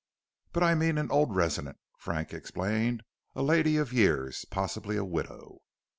"But I mean an old resident," Frank explained, "a lady of years, possibly a widow."